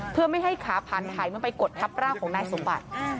เพื่อไม่ให้ขาผ่านไถมันไปกดทับร่างของนายสมบัติ